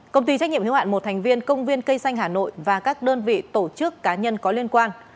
công ty trách nhiệm hiếu hạn một thành viên công viên cây xanh hà nội và các đơn vị tổ chức cá nhân có liên quan